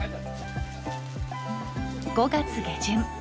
５月下旬。